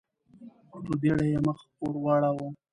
په بېړه يې مخ ور واړاوه.